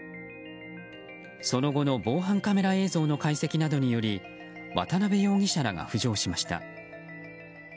その後の防犯カメラ映像の解析などにより渡辺容疑者らが浮上しました。